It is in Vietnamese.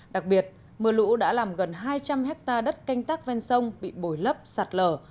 đặc biệt mưa lũ đã làm gần hai trăm linh hectare đất canh tác ven sông bị bồi lấp sạt lở